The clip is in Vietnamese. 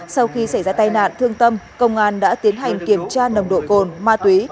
sau khi xảy ra tai nạn thương tâm công an đã tiến hành kiểm tra nồng độ cồn ma túy